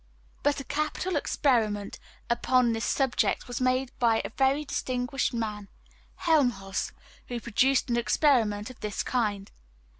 But a capital experiment upon this subject was made by a very distinguished man, Helmholz, who performed an experiment of this kind.